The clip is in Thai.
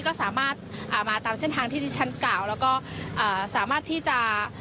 ก็สามารถอ่ามาตามเส้นทางที่ที่ฉันกล่าวแล้วก็อ่าสามารถที่จะ